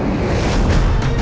ingat itu adikku